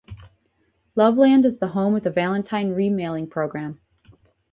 Loveland is the home of the Valentine Re-Mailing Program.